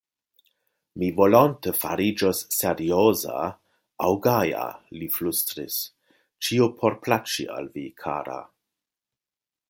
Mi volonte fariĝos serioza aŭ gaja, li flustris ; ĉio por plaĉi al vi, kara.